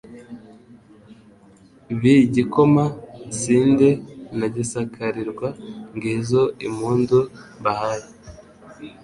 B'i Gikoma-sinde na Gisakarirwa Ngizo impundu mbahaye